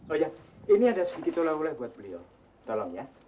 oh iya ini ada sedikit olah olah buat beliau tolong ya